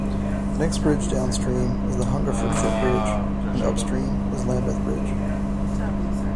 The next bridge downstream is the Hungerford footbridge and upstream is Lambeth Bridge.